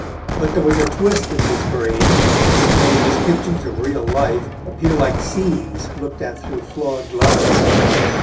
But there was a twist in his brain which made his pictures of real life appear like scenes looked at through flawed glass.